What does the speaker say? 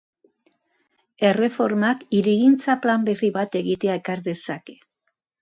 Erreformak hirigintza plan berri bat egitea ekar dezake.